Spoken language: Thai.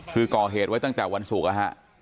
คือก่อเหตุไว้ตั้งแต่วันศุกร์นะฮะ